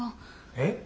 えっ？